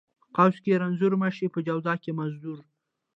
ـ په قوس کې رنځور مشې، په جواز کې مزدور.